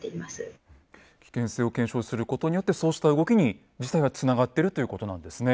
危険性を検証することによってそうした動きに実際はつながってるということなんですね。